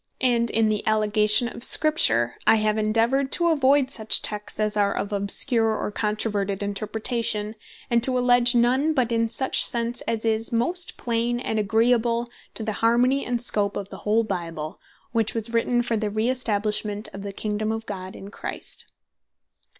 And in the allegation of Scripture, I have endeavoured to avoid such Texts as are of obscure, or controverted Interpretation; and to alledge none, but is such sense as is most plain, and agreeable to the harmony and scope of the whole Bible; which was written for the re establishment of the Kingdome of God in Christ.